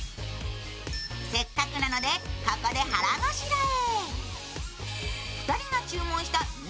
せっかくなので、ここで腹ごしらえ。